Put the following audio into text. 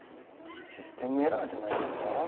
システムエラーじゃないですか？